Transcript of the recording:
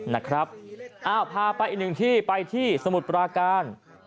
นะครับอ้าวพาไปอีกหนึ่งที่ไปที่สมุทรปราการ